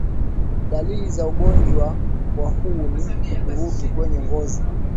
Dalili za ugonjwa wa huu ni ukurutu kwenye ngozi